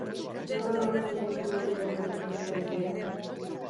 Nola lortu hiru horien kontrol herrikoia?